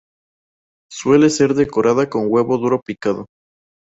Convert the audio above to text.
Suele ser decorada con huevo duro picado.